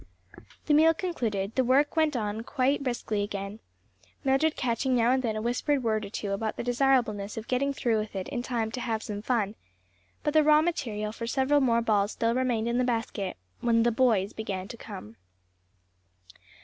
The meal concluded, the work went on quite briskly again, Mildred catching now and then a whispered word or two about the desirableness of getting through with it in time to have some fun; but the raw material for several more balls still remained in the basket when "the boys" began to come.